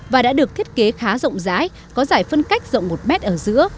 và đã được thiết kế khá rộng rãi có giải phân cách rộng một mét ở giữa